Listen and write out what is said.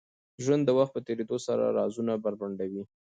ژوند د وخت په تېرېدو سره رازونه بربنډوي.